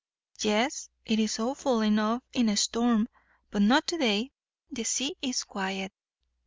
Yes, it is awful enough in a storm, but not to day. The sea is quiet."